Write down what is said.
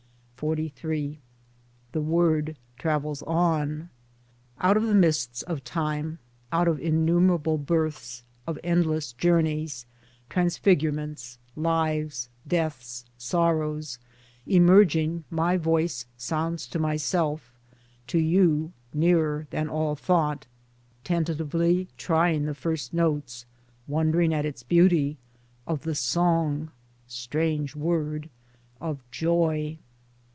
XLIII The word travels on. Out of the mists of time, out of innumerable births, of endless journeys, transfigurements, lives, deaths, sorrows, emerging, my voice sounds to myself, to you, nearer than all thought : tentatively trying the first notes, wonderingly at its beauty, of the Song — strange word !— of Joy.